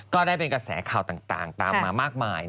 ก็ได้เป็นกระแสข่าวต่างตามมามากมาย